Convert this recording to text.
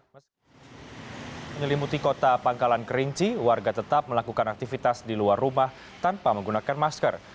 meski menyelimuti kota pangkalan kerinci warga tetap melakukan aktivitas di luar rumah tanpa menggunakan masker